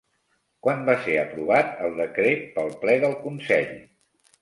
Quan va ser aprovat el decret pel ple del Consell?